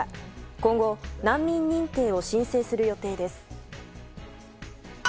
今後難民認定を申請する予定です。